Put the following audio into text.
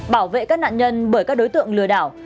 bảo vệ các nạn nhân bởi các đối tượng lừa đảo